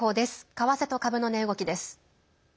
為替と株の値動きです。